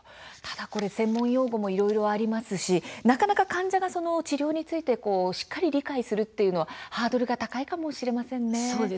専門用語もありますしなかなか患者が治療についてしっかり理解するのはハードルが高いかもしれません。